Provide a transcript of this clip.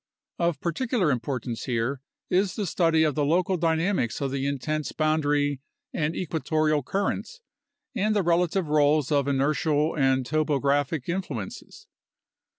Of particular im portance here is the study of the local dynamics of the intense bound ary and equatorial currents and the relative roles of inertial and topo graphic influences.